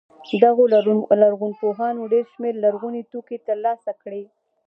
دغو لرغونپوهانو ډېر شمېر لرغوني توکي تر لاسه کړي.